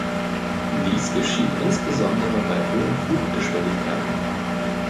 Dies geschieht insbesondere bei hohen Fluggeschwindigkeiten.